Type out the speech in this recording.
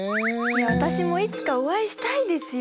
私もいつかお会いしたいですよ。